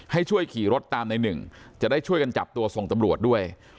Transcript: ให้ช่วยขี่รถตามในหนึ่งจะได้ช่วยกันจับตัวส่งตำรวจด้วย